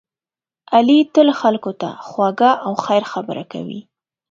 علی تل خلکو ته خوږه او خیر خبره کوي.